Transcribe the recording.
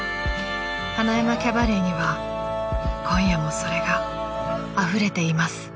［塙山キャバレーには今夜もそれがあふれています］